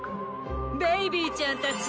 ベイビーちゃんたち